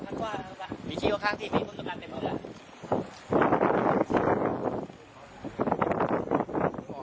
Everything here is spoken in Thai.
เมื่อเวลาอันดับสุดท้ายมันกลายเป็นอันดับสุดท้ายที่สุดท้ายที่สุดท้าย